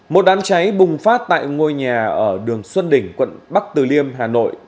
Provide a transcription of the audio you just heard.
một đám cháy bùng phát tại ngôi nhà ở đường xuân đỉnh quận bắc từ liêm hà nội